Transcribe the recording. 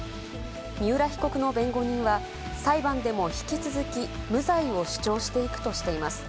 三浦被告の弁護人は、裁判でも引き続き無罪を主張していくとしています。